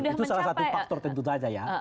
itu salah satu faktor tentu saja ya